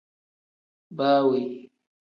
Baa we.